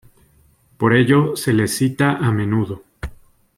Por ello se le cita a menudo.